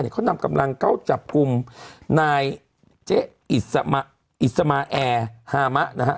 เขานำกำลังเข้าจับกลุ่มนายเจ๊อิสมาแอร์ฮามะนะฮะ